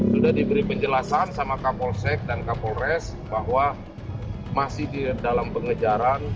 sudah diberi penjelasan sama kapolsek dan kapolres bahwa masih di dalam pengejaran